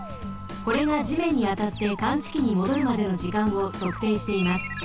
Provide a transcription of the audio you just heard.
これがじめんにあたって感知器にもどるまでのじかんをそくていしています。